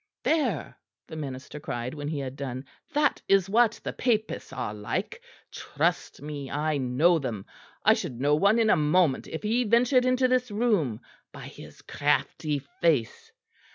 "There!" the minister cried when he had done, "that is what the Papists are like! Trust me; I know them. I should know one in a moment if he ventured into this room, by his crafty face.